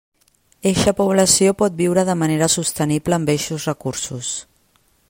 Eixa població pot viure de manera sostenible amb eixos recursos.